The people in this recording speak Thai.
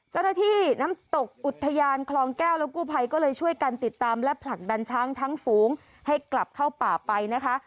เจ้าหน้าที่น้ำตกอุทยานคลองแก้วและกู้ภัยก็เลยช่วยกันติดตามและผลักดันช้างทั้งฝูงให้กลับเข้าป่าไปนะคะ